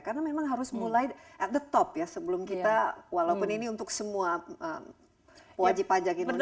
karena memang harus mulai at the top ya sebelum kita walaupun ini untuk semua wajib pajak indonesia